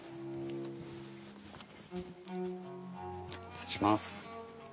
失礼します。